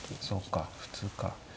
そうか普通か。